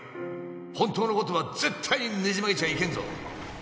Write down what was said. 本当のことは絶対にねじ曲げちゃいけんぞ